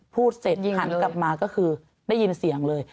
พูดเสร็จหันกลับมาก็คือได้ยินเสียงเลย